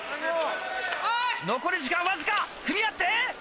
残り時間わずか組み合って。